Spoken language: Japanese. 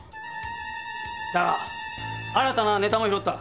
だが新たなネタも拾った。